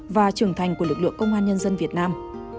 và trưởng thành của lực lượng công an nhân dân việt nam